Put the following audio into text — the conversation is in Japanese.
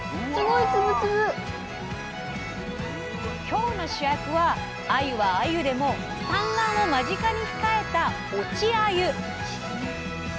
今日の主役はあゆはあゆでも産卵を間近に控えた「落ちあゆ」。